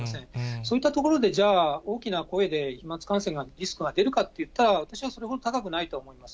そういった所でじゃあ、大きな声で飛まつ感染がリスクが出るかっていったら、私はそれほど高くないと思います。